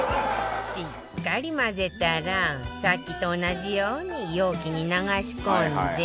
しっかり混ぜたらさっきと同じように容器に流し込んで